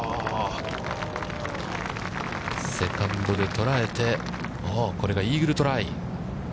セカンドで捉えて、これがイーグルトライ。